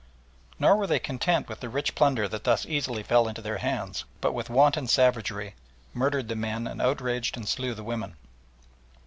Nor were they content with the rich plunder that thus easily fell into their hands, but with wanton savagery murdered the men and outraged and slew the women.